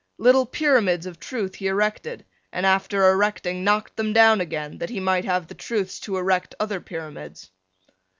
Little pyramids of truth he erected and after erecting knocked them down again that he might have the truths to erect other pyramids.